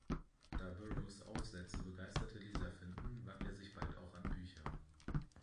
Da Burroughs Aufsätze begeisterte Leser finden, wagt er sich bald auch an Bücher.